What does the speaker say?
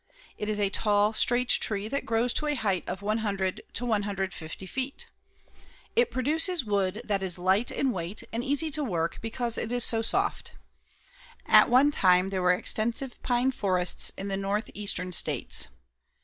It is a tall straight tree that grows to a height of 100 to 150 feet. It produces wood that is light in weight and easy to work because it is so soft. At one time there were extensive pine forests in the northeastern states.